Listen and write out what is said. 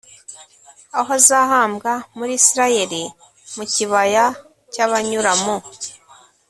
aho azahambwa muri isirayeli mu kibaya cy abanyura mu